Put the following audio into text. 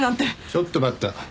ちょっと待った。